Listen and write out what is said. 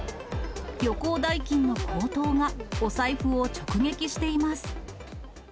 旅行代金の高騰が、お財布を直撃しています。